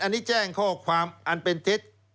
อันนี้แจ้งข้อความอันเป็นเท็จ